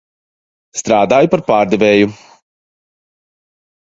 Strādāju par pārdevēju.